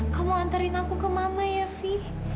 kamu antarin aku ke mama ya fi